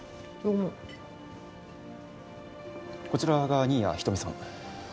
こちらが新谷仁美さん。